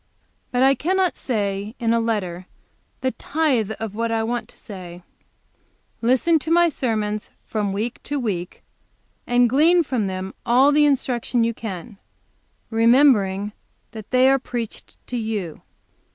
"But I cannot say, in a letter, the tithe of what I want to say. Listen to my sermons from week to week and glean from them all the instruction you can, remembering that they are preached to you.